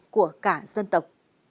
của cả dân tộc